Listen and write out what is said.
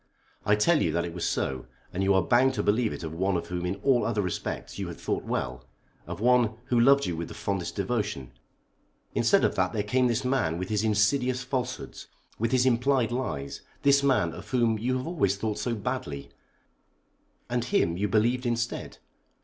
"I tell you that it was so, and you are bound to believe it of one of whom in all other respects you had thought well; of one who loved you with the fondest devotion. Instead of that there came this man with his insidious falsehoods, with his implied lies; this man, of whom you have always thought so badly; and him you believed instead!